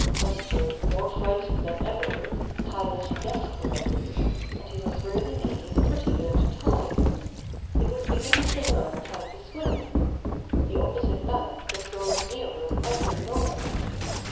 Buster more frightened than ever paddled desperately, and he was really making pretty good time. He was beginning to learn how to swim. The opposite bank was growing nearer every moment.